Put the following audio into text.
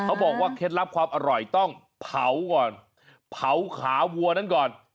เคล็ดลับความอร่อยต้องเผาก่อนเผาขาวัวนั้นก่อน